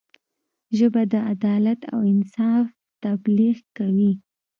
ژبه د عدل او انصاف تبلیغ کوي